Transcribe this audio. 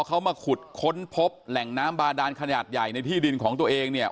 เขามาขุดค้นพบแหล่งน้ำบาดานขนาดใหญ่ในที่ดินของตัวเองเนี่ย